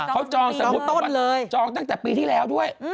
เขาจองสมมุติบอกว่าจองตั้งแต่ปีที่แล้วด้วย